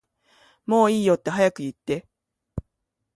もういいよって早く言って